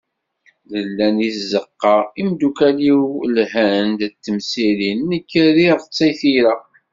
Nella di tzeqqa, imeddukkal-iw, lhan-d d temsirin, nekk rriɣ-tt i tira.